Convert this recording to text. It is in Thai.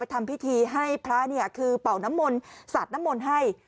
ทำพิธีให้พระเนี่ยคือเป่าน้ำมนต์สาดน้ำมนต์ให้